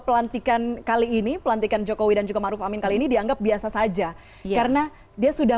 pelantikan kali ini pelantikan jokowi dan juga maruf amin kali ini dianggap biasa saja karena dia sudah